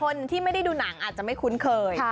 คนที่ไม่ได้ดูหนังอาจจะไม่คุ้นเคย